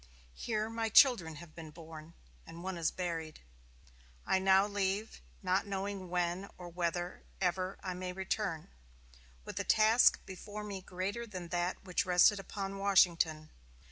Here my children have been born, and one is buried. I now leave, not knowing when or whether ever I may return, with a task before me greater than that which rested upon Washington.